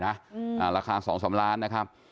ราคา๒๒ล้านนะครับ